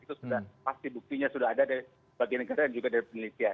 itu sudah pasti buktinya sudah ada dari bagian negara dan juga dari penelitian